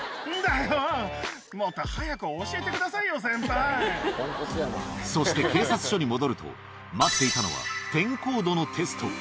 よっ、もっと早く教えてくだそして、警察署に戻ると、待っていたのはテンコードのテスト。